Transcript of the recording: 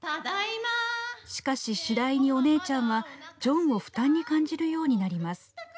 しかし次第に、お姉ちゃんはジョンを負担に感じるようになります。